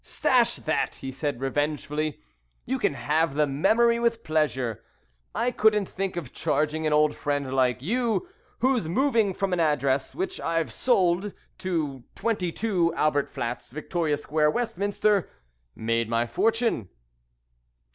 _'" "Stash that!" he said revengefully. "You can have the memory with pleasure. I couldn't think of charging an old friend like you, whose moving from an address, which I've sold, to 22, Albert Flats, Victoria Square, Westminster, made my fortune."